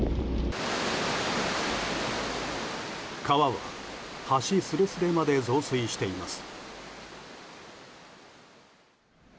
川は橋すれすれまで増水しています。